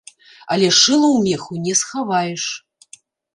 Але шыла ў меху не схаваеш.